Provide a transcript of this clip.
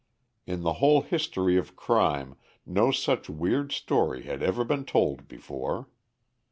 In the whole history of crime no such weird story had ever been told before.